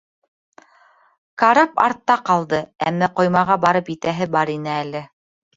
Карап артта ҡалды, әммә ҡоймаға барып етәһе бар ине әле.